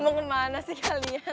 mau ke mana sih kalian